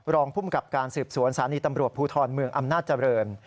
รองภูมิกับการสืบสวนสารีตำรวจภูทรเมืองอำนาจเจริญ